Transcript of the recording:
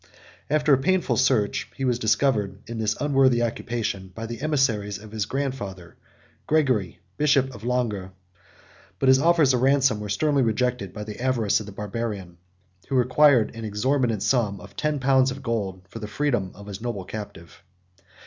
After a painful search, he was discovered, in this unworthy occupation, by the emissaries of his grandfather, Gregory bishop of Langres; but his offers of ransom were sternly rejected by the avarice of the Barbarian, who required an exorbitant sum of ten pounds of gold for the freedom of his noble captive.